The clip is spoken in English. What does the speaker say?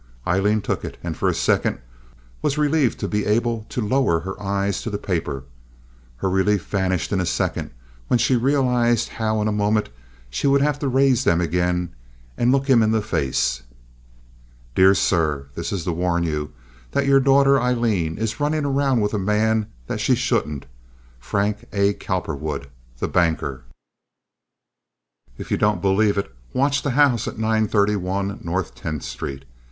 Aileen took it, and for a second was relieved to be able to lower her eyes to the paper. Her relief vanished in a second, when she realized how in a moment she would have to raise them again and look him in the face. DEAR SIR—This is to warn you that your daughter Aileen is running around with a man that she shouldn't, Frank A. Cowperwood, the banker. If you don't believe it, watch the house at 931 North Tenth Street.